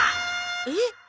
えっ！？